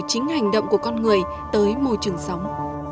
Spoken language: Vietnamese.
chính hành động của con người tới môi trường sống